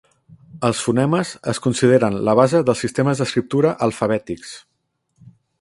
Els fonemes es consideren la base dels sistemes d'escriptura alfabètics.